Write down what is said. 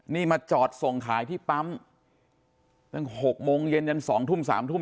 นี่มาจอดส่งขายที่ปั๊มตั้ง๖โมงเย็นยัน๒ทุ่ม๓ทุ่ม